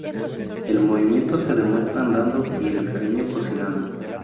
El movimiento se demuestra andando y el cariño cocinando